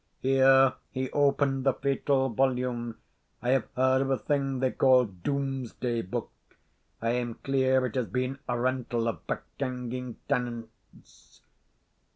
Here he opened the fatal volume. I have heard of a thing they call Doomsday book I am clear it has been a rental of back ganging tenants.